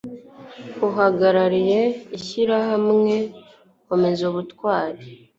uhagarariye ishyirahamwe komezubutwari